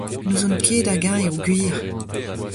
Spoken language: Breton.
N’ouzon ket hag-eñ eo gwir.